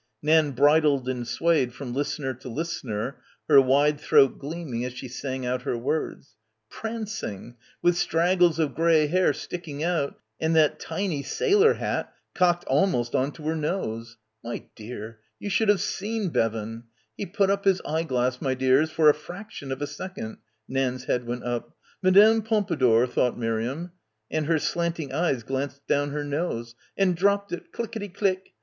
Nan bridled and swayed from listener to listener, her wide throat gleaming as she sang out her words. "Prancing — with straggles of grey hair stick ing out and that tiny sailor hat cocked almost on to her nose. My dear, you sh'd've seen Bevan! He put up his eyeglass, my dears, for a fraction of a second," Nan's head went up — "Madame Pompadour" thought Miriam — and her slant ing eyes glanced down her nose, "and dropped it, clickety click.